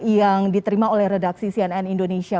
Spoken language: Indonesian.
yang diterima oleh redaksi cnn indonesia